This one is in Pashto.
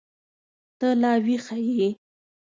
ته لا ويښه يې.